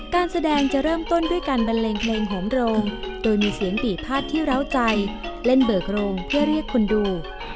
การแสดงจะเริ่มต้นด้วยการบันเลงเพลงโหมโรงโดยมีเสียงปี่พาดที่เล้าใจเล่นเบิกโรงเพื่อเรียกคนดู